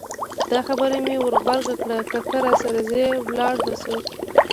دا خبره مې ور غبرګه کړه که ته راسره ځې لاړ به شو.